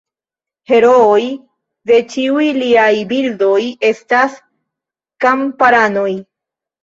Herooj de ĉiuj liaj bildoj estas kamparanoj.